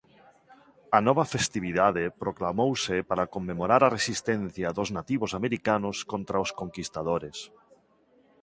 A nova festividade proclamouse para conmemorar a resistencia dos nativos americanos contra os conquistadores.